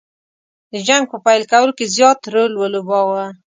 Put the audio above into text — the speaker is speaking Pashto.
د جنګ په پیل کولو کې زیات رول ولوباوه.